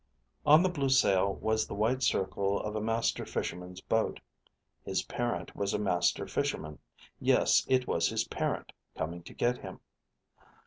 On the blue sail was the white circle of a Master Fisherman's boat. His parent was a Master Fisherman. Yes, it was his parent coming to get him.